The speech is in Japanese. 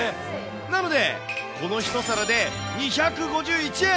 なので、この１皿で２５１円！